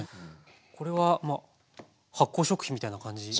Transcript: これは発酵食品みたいな感じなんですか？